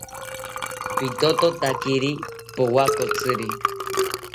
Pitothotakiri powakotziri